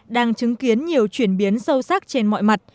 đang chứng kiến nhiều chuyển biến sâu sắc trên mọi mặt